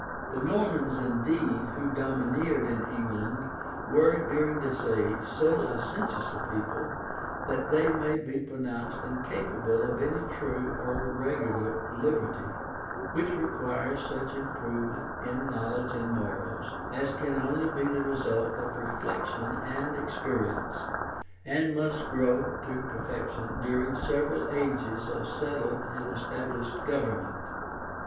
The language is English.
] The Normans, indeed, who domineered in England, were, during this age, so licentious a people, that they may be pronounced incapable of any true or regular liberty; which requires such improvement in knowledge and morals, as can only be the result of reflection and experience, and must grow to perfection during several ages of settled and established government.